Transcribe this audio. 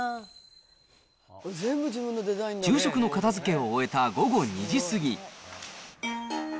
昼食の片づけを終えた午後２時過ぎ。